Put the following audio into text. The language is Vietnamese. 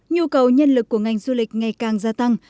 nhu cầu nhân lực của ngành du lịch ngày càng gia tăng